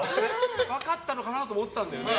分かったのかなと思ったんだよね。